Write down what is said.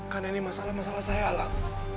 karena ini masalah masalah saya alam